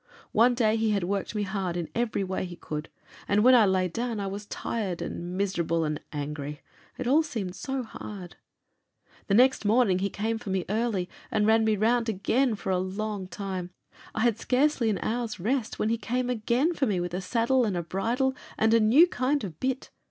One day he had worked me hard in every way he could, and when I lay down I was tired, and miserable, and angry; it all seemed so hard. The next morning he came for me early, and ran me round again for a long time. I had scarcely had an hour's rest, when he came again for me with a saddle and bridle and a new kind of bit.